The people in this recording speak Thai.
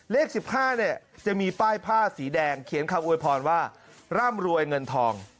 เลข๑๕เนี่ยจะมีป้ายผ้าสีแดงเขียนคำอวยพรว่าร่ำรวยเงินทอง